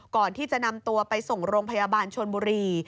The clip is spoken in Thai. ก่อนที่จะนำตัวไปส่งโรงพยาบาลชนบุรี